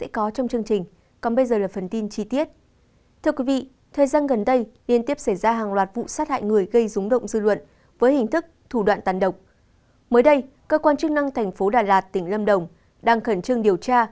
cơ quan chức năng thành phố đà lạt tỉnh lâm đồng đang khẩn trương điều tra làm rõ nguyên nhân dẫn đến việc